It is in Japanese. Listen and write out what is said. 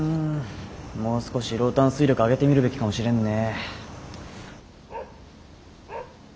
もう少しローターの推力上げてみるべきかもしれんね。